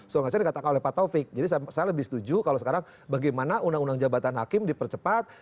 soalnya dikatakan oleh pak taufik jadi saya lebih setuju kalau sekarang bagaimana undang undang jabatan hakim dipercepat